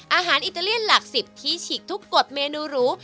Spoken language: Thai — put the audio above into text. อิตาเลียนหลัก๑๐ที่ฉีกทุกกฎเมนูหรู